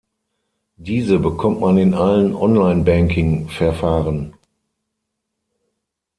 Diese bekommt man in allen Onlinebanking-Verfahren.